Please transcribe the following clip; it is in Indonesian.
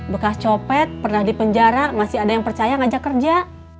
bekas copet pernah di penjara masih ada yang percaya ngajak kerja